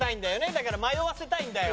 だから迷わせたいんだよ。